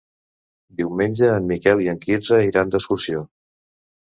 Diumenge en Miquel i en Quirze iran d'excursió.